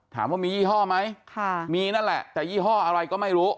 ถามว่ามียี่ห้อไหมมีนั่นแหละแต่ยี่ห้ออะไรก็ไม่รู้